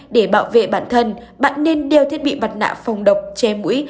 để bảo vệ bản thân bạn nên đeo thiết bị mặt nạ phòng độc che mũi